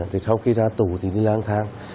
thì sau khi ra tù thì đi lang thang